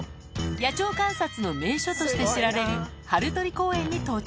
野鳥観察の名所として知られる、春採公園に到着。